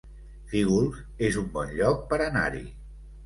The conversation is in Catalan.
Fígols es un bon lloc per anar-hi